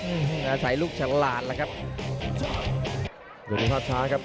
รักข้าไปชะลาดแหละครับ